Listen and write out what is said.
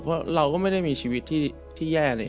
เพราะเราก็ไม่ได้มีชีวิตที่แย่เลย